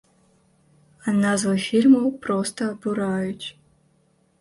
А назвы фільмаў проста абураюць.